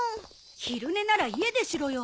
昼寝なら家でしろよ。